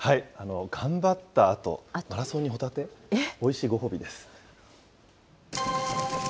頑張ったあと、マラソンにホタテ、おいしいご褒美です。